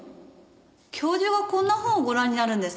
教授がこんな本をご覧になるんですか？